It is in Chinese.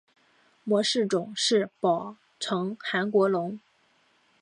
模式种是宝城韩国龙。